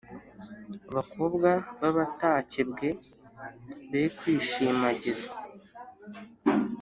Abakobwa b’abatakebwe be kwishimagiza